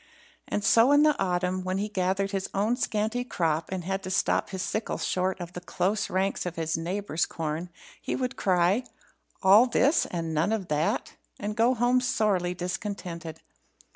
And so in the autumn, when he gathered his own scanty crop and had to stop his sickle short of the close ranks of his neighbour's corn, he would cry, "All this, and none of that?" and go home sorely discontented.